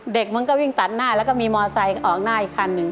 เด็กมันก็วิ่งตัดหน้าแล้วก็มีมอไซค์ก็ออกหน้าอีกคันหนึ่ง